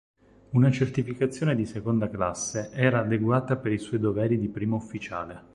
Una certificazione di seconda classe era adeguata per i suoi doveri di primo ufficiale.